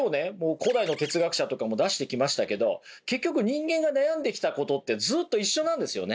古代の哲学者とかも出してきましたけど結局人間が悩んできたことってずっと一緒なんですよね。